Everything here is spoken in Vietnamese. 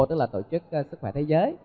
tức là tổ chức sức khỏe thế giới